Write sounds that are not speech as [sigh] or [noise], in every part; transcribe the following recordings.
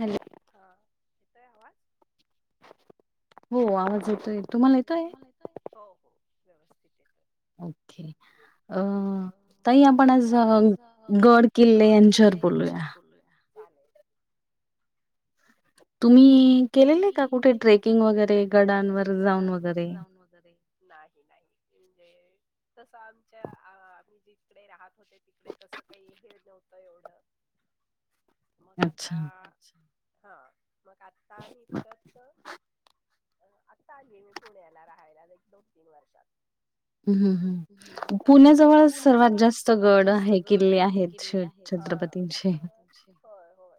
Hello. हां, येतोय आवाज? हो, आवाज येतोय, तुम्हाला येतय, हो हो व्यवस्थित येतोय. ओके. अ, ताई आपण आज गड किल्ले यांच्यावर बोलूया. बलूया. चाले- तुम्ही केलेलं आहे का कुठे ट्रेकिंग वगैरे? गडांवर जाऊन वगैरे. नाही नाही म्हणजे तस आमच्या आम्ही जिकडे राहत होते ति ते कसं काही हे नवतं एवढं. [inaudible] मग आता [unintelligible] हां मग आता मी परत अं आत्ता आली मी पुण्याला ऱ्हायला एक, दोन- तीन वर्षात. तर आता, मुल [unintelligible] पुण्याजवळच सर्वात जास्त गड आहे किल्ले आहेत. [unintelligible] व्हय व्हय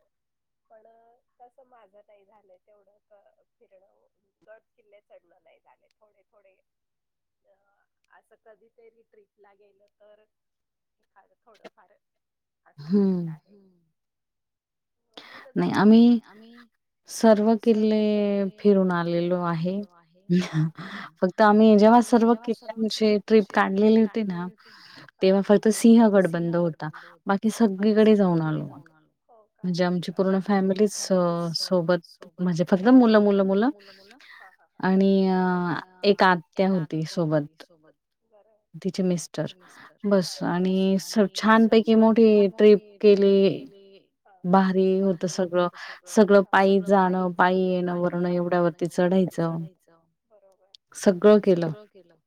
पण- तसं माझ नाही झालं तेवढं फिरण. गड किल्ले चढणं नाही झाले. थोडे थोडे अं, असं कधीतरी ट्रीपला गेलं तर- फार थोडं फार. असं झालेलं आहे मुलं जातात आता, आम्ही- सर्व किल्ले फिरून आलेलो आहे. आ हां. फक्त आम्ही जेव्हा सर्व किल्यांची ट्रिप काढलेली होती ना तेव्हा फक्त सिंहगड बंद होता. बाकी सगळीकडे जाऊन आलो. हो का. म्हणजे आमची पूर्ण फॅमिली स सोबत म्हणजे फक्त मुलं मुलं मुलं. आणि अ एक आत्या होती, सोबत ब- तिचे मिस्टर बस, आणि छानपैकी मोठी ट्रिप केली. भारी होत सगळं, सगळं सगळं पायी जाणं, पायी येणं वरणं एवढ्या वरती चढायचं बरोबर, सगळं केलं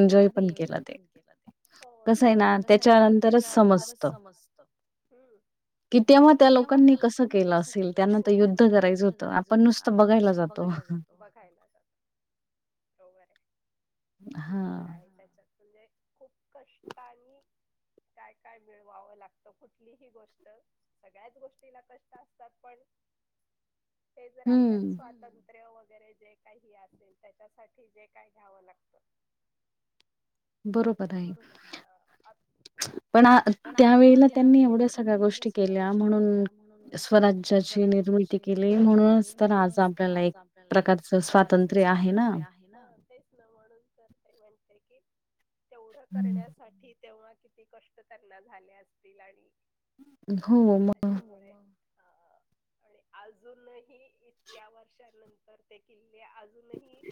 आणि, भारी एन्जॉय पण केलं ते, हो ते कसं आहे ना, त्याच्यानंतरच समजत. कि तेव्हा त्या लोकांनी, त्या लोका. लोकांनी कसं केलं असेल, त्यांना तर युद्ध करायचं होतं, आपण नुसतं बघायला जातो बघायला जातो. बरोबर आहे, ते तर आहे त्याच्यात म्हणजे खूप. कष्टानी. काय-काय मिळवावं लागतं, कुठलीही गोष्ट सगळ्याच गोष्टीला कष्ट असतात पण ते जर आपल्याला स्वत देव वगैरे जे काही असेल, त्याच्यासाठी जे काही घ्यावं लागतं. [inaudible] बरोबर आहे, पण त्यावेेळेला त्यांनी, एवढ्या सगऱ्या गोष्टी केल्या म्हणून. स्वराज्याची निर्मिती केली, म्हणूनच तर आज, आपल्याला एक. प्रकारच स्वातंत्र्य आहे ना? म्हणून तर ते म्हणते कि, तेवढं करण्यासाठी तेव्हा कि ती कष्ट त्यांना झाले, असतील आणि हो मग, त्याच्या मुळे, अ आणि अजूनही इतक्या, वर्षां नंतर ते किल्ले, अजूनही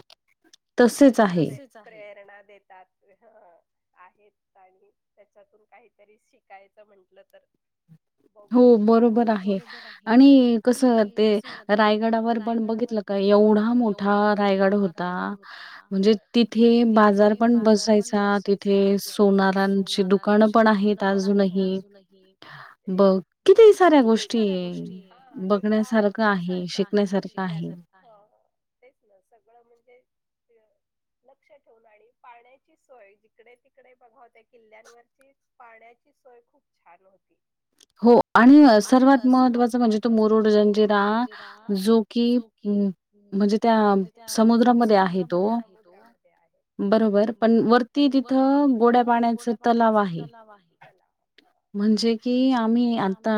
आपल्यालाप्रेरणा देतात, ह [unintelligible] आहेत आणि, त्याच्यातून काहीतरी शिकायचं म्हंटलं तर, बघू वाचून, हो बरोबर, पण आहे, आणि कस ते रायगडावर पण बघितलं का, एवढा मोठा रायगड होता, म्हणजे तिथे बाजार पण बसायचा, तिथे सोनारांची दुकानं पण, आहेत अजूनही. म्हणजे बघ किती, साऱ्या गोष्टी आहे, बघण्यासारखं आहे, शिकण्यासारखं आहे तेच ना, सगळं म्हणजे, लक्ष ठेवून, आणि पाण्याची सोय जिकडे तिकडे बघा हो त्या्या किल्ल्यांवरची, पाण्याची सोय, खूप छान होती. हो, आणि सर्वात महत्वाचा म्हणजे, तो मुरुडजंजिरा जो की, म्हणजे त्या, समुद्रामध्ये आहे तो. बरोबर पण वरती तिथं, गोड्या पाण्याच तलाव आहे. म्हणजे की आम्ही, म आता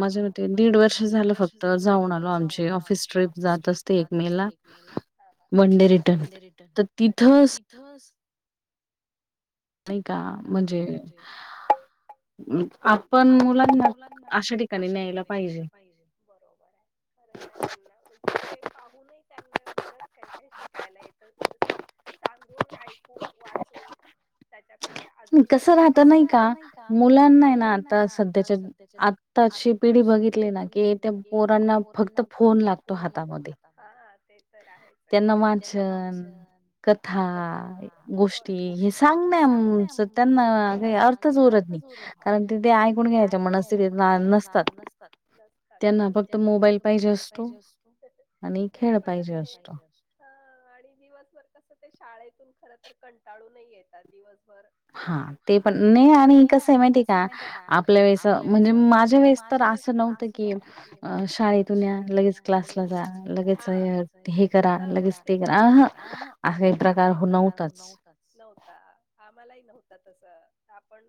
माझ्या मते दीड वर्ष झालं, फक्त जाऊन आलो आमची ऑफिस ट्ररीप जात असते, एक मे ला, वन डे रिटर्न तर तिथ, इथंच, नाही का म्हणजे, पण मुलांना अशा ठिकाणी न्यायला पाहिजे, बरोबर आहे खरच आहे त्यांना म्हणजे, ते पाहूनही, त्यांना बरच काही, काही शिकायला येतं सांगून, ऐकून, वाचून, त्याच्यापेक्षा अजून जास्त, कस राहत नाही का, मुलां ना आता, आता सध्याच्या आताची, पिढी बघितली ना की त्या पोरांना फक्त फोन लागतो हातात, हा ते तर आहेच, आहे त्यांना वाचन, कथा गोष्टी हे सांगण्याच, त्यांना काही अर्थच उरत, कारण, तिथे ऐकून घ्यायच्या मणस तिथित, नसताततात त्यांना, फक्त मोबाईल पाहिजे असतो. तू त्यांना खेळायला पाहिजे असतो. हा आणि दिवसभर कसं ते शाळेतून खर तर कंटाळूनही येतात दिवसभर हा फर ते पण नाही आणि कस आहे माहितीय का? आपल्या वेळेस म्हणजे माझ्या वेळेस तर असं नव्हतं की शाळेतून या लगेच क्लास बघा लगेच, च हे करा लगेच तेरा अह हे प्रकार नव्हते, नव्हता, आम्हालाही नव्हता तस आपण,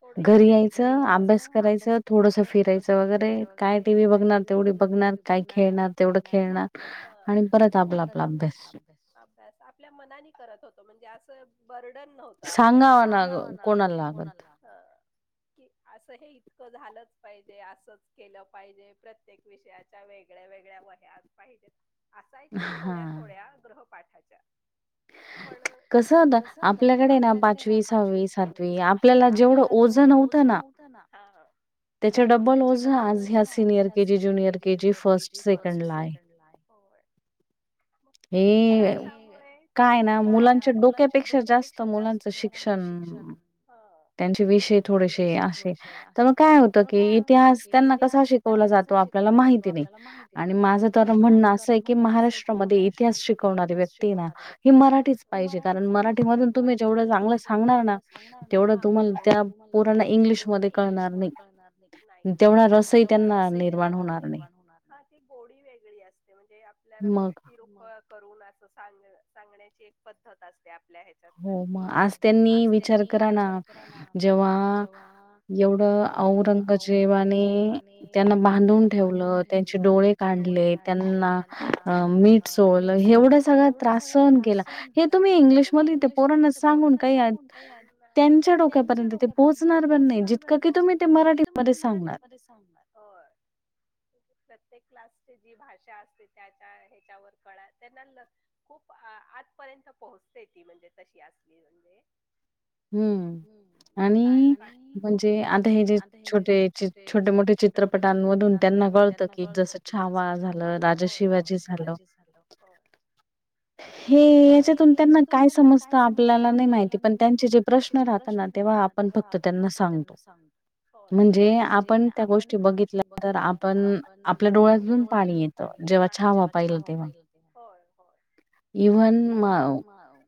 थोड इकडे, घरी यायचं, अभ्यास करायचं थोडस फिरायचं वगैरे काय, टी. व्ही बघणार तेवढी बघणार काय, खेळणार तेवढं, खेळणार आणि परत आपला आपला भ्यास अभ्यास आपल्या मनानी करत होतो म्हणजे असं बर्डन नव्हतं. त आपल्याला सांगाना गं कोणाला हं. की असं हे इतकं झालंच पाहिजे असंच केलं पाहिजे प्रत्येक विषया च्या वेगळ्या वेगळ्या वह्यात पाहिजेत असायच्या थोड्या थोड्या ग्रहपाठाच्या पण कस होत आपल्याकडे ना पाचवी सहावी सातवी आपल्याला जेवढं ओ नसं नव्हतं ना! हं. त्याच्या डबल ज्या आज ह्या senior KG junior KG first second नाही होय. ते त्याच्यामुळे थकूनही जानर मुलांच्या डोक्यापेक्षा जास्त मुलांच शिक्षण हा तेन विषय थोडेसे असे तर काय होत की इतिहास त्यांना कसा शिकवला जातो आपल्याला माहित की नी अणि माझ तर म्हणंन अस क महा्र मध्ये इतिहास शिकवणारे व्यक्तीयना हे मराठीच पाहिजे कारण मराठी मधून तुम्ही जेवड चांगल. सांगणारना हा बरं जेवढं तुम्हाला त्या पोरांना इंग्लिश मधे कळणार नाही तेवढा रसही त्यांना निर्माण होणार. हा ती गोडी वेगळी असते म्हणजे आपल्याला गोष्टी करूपण करून अस सांग सांगण्याची एक पद्धत असते. हो मग आज त्यांनी विचार करा ना जेव्हाआ एवढ औंरंगजेबाने त्यांना बांधून ठेवलं त्यांचे डोळे काढले त्यांना अ मीठ चोळलं एवढा सगळा त्रास सहन केला. तें तुम्ही इंग्लिश मधी त्या पोरांना सांगून काही त्यांच्या डोक तिथं पर्यंत तें पोहोचणार पण नाही जितक तुम्ही ते मराठीमध्ये सांगणार. प्रत्येक क्लासची जी भाषा असते त्याच्या ह्याच्यावर कळा त्यांना ल खूप आ आजपर्यंत पोहोचते ती म्हणजे तशी असली म्हणजे हम्म. आणि म्हणजे आता हे जे छोटे चे छोट मोठ चित्रपटांमधून त्यांना कळतं क की जसं छावा झालं राजा शिवाजी झालं. हे याच्यातून त्यांना काय समजत आपल्याला नाई माहिती पण त्यांचे जे प्रश्न राहत ना तेव्हा आपण फक्त त्यांना सांगतो. होय, म्हणजे आपण त्या गोष बघितलाय तर आपण आपल्या डोळ्यातुन पाणी येईल जेव्हा छवा पहिला होय होय. इव्हन माव हवं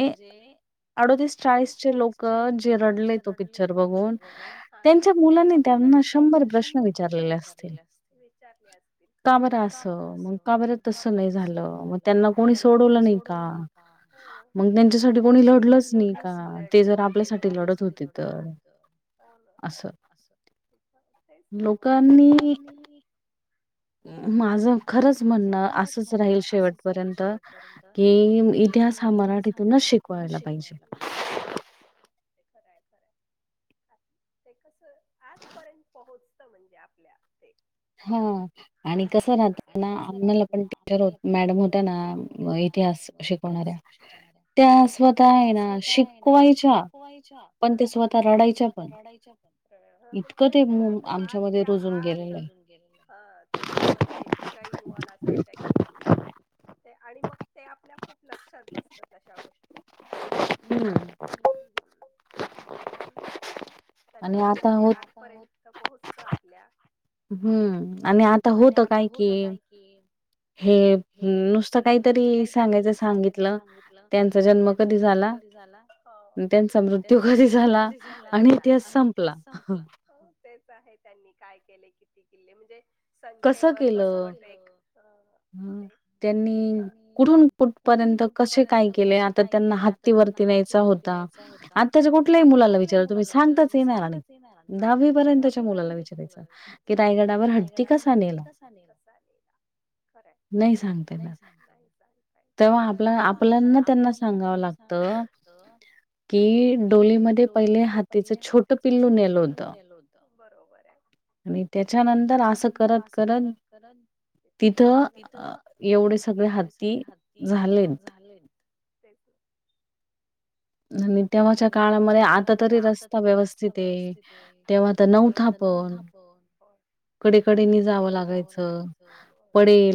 म्हणजे अडोतीस चाळीस चे लोक जे रडले तो पिक्चर बघून त्यांच्या मुलानी त्यांना शंभर प्रश्न विचारलेले असतील विचारले असतील. खरंच हाय ना, का बर अस म का बऱ तसं नाही झालं त्यांना कोणी सोड. ला नाही कां मग त्यांच्यासाठी लढलच नाही लढलंच नाई ते जर आपल्यासाठी लढत होती तर असं तेच ना मग लोकांनी माझ खरच म्हणंन असंच राहील शेवटपर्यंत की इति हा मराठीतूनच शिकवायला पाहिजे. [unintelligible] ते कस आतपर्यंत पहोचतं म्हणजे आपल्या ते. त्या गोष्टी, हो आणि कस राहत ना आपनाला पण मॅडम होत्या ना. इतिहास कशी होणार आहे, हा. त्या स्वतः आहे ना शिकवायच्या पण ते स्वतः रडायच्या पण ह म्हणजे त्या त्या त्या आ. त्याच्यामध्ये एक इन्वॉल्व असायच्या की ते आणि मग ते आपल्या खूप लक्षात बसतात अशा गोष्टी. हम्म. म्हणून त्याच्यामुळे ते आजपर्यंत पोहोचत आपल्या, हम्म आणि आता होत काय कि? हे नुसत काहीतरी सांगायचं सांगितलं त्यांच जन्म कधी झाला, हो, त्यांचा मृत्यू कधी झाला आणि इतिहास संपला. हो तेच आहे त्यांनी काय केले किती किल्ले म्हणजे संख्येवर कस पट एक. ते, त्यांनी कुठून कुठ पर्यंत कसे काय केलंय आता त्यांना हत्तीवरती न्यायचा होता. होय, आताच्या कुठल्या हि मुलाला विचार तुम्ही सांगतात. सेम राहणार, नाई नाहीय, दहावी पर्यंतच्या मुलाला विचारायचं, नाहीये, की नाही गडावर हत्ती कसा नेला, कसा नेला? खरये, नाही सांगता ते तेव्हा आपल आपल्याना त्यांना सांगायचं होतं. कि डोलीमध्ये पहिले हातीच छोट पिल्लू नेल होत, बरोबरया. आणि त्याच्यानंतर असं क असं करत करत, [unintelligible] तिथ, एवढे सगळे हत्ती झा झालेत, तेच. तेव्हाच्या काळामध्ये आता तरी रस्ता व्यवस्थित आहे, तेव्हा तर नऊ थाप दोन, पर. कडेकडे नी जावं लागायचं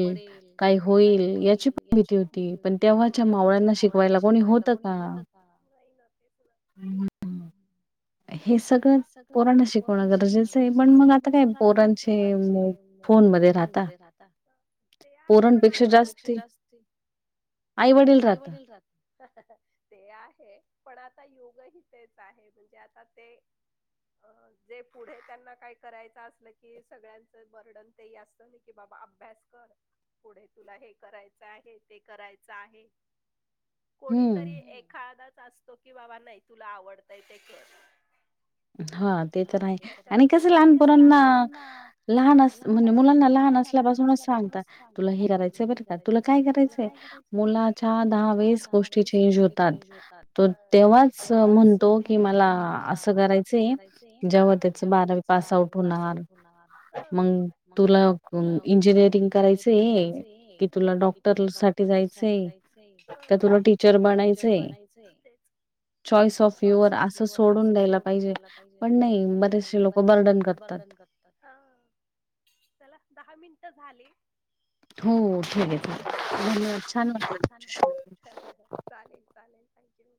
पडेल काय होईल याची पण भीती होती, हो, पण तेव्हाच्या मावळ्यांना शिकवायला कोणी होतच हा, नाही ना तेच ना. हे सगळं पोराण शिकवणं गरजेचं आहे पण मग आता काय पोरनचे फोन मध्ये राहता. ते आहे पण आता, पोरणपेक्षा जास्त आई वडील राह ते आहे, पण आता योग हि तेच आहे. म्हणजे आता ते अ जे पुढे त्यांना काय करायचं असल की? कि सगळ्यांचं बर्डन ते असत नाही की बाबा अभ्यास कर. पुढे तुला हे करायचं आहे, ते करायचं आहे. [inaudible] कोणीतरी एखादाच असतो की बाबा नाही तुला आवडतंय ते कर. हा ते आणि कस लहान पोरांना, लहान अस म्हणजे मुलांना लहान असल्याासूनच सांगतात. तुला हे करायच बर का तुला काय करायचं मुला चार दहा वेस गोष्टी चेंज होतात. त, तेव्हाच म्हणतो की मला अस करायच, हा, जेव्हा त्याच बारावी पास आउट होणार, हा, मग तुला इंजिनिअरिंग करायचं आहे. की तुला डॉक्टर [unintelligible] साठी जायचंय तर तुला टीचर बनायचं आहे. चॉईस ऑफ युअर असं सोडून द्यायला पाहिजे, पण नाही बरेचसे लोक बर्डन करत, हा चला दहा मिनट झाली. हो, ठीक आहे छान [unintelligible] चालेल, चालेल थँक्यू.